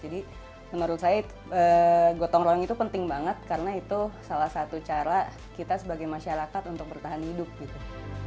jadi menurut saya gotong royong itu penting banget karena itu salah satu cara kita sebagai masyarakat untuk bertahan hidup gitu